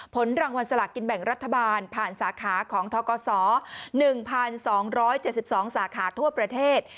ผลรางวัลสลากกินแบ่งรัฐบาลผ่านสาขาของทกศ๑๒๗๒สาขาทั่วประเทศ